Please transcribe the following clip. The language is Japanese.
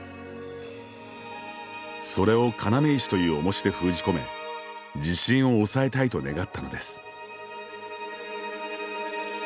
それを「要石」という重しで封じ込め地震を抑えたいと願ったのです。